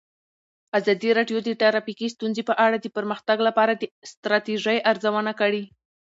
ازادي راډیو د ټرافیکي ستونزې په اړه د پرمختګ لپاره د ستراتیژۍ ارزونه کړې.